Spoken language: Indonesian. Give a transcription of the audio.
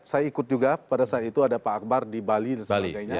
saya ikut juga pada saat itu ada pak akbar di bali dan sebagainya